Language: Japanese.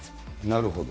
なるほど。